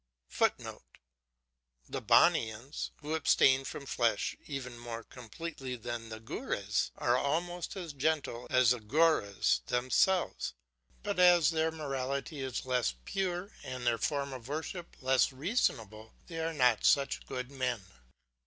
[Footnote: The Banians, who abstain from flesh even more completely than the Gaures, are almost as gentle as the Gaures themselves, but as their morality is less pure and their form of worship less reasonable they are not such good men.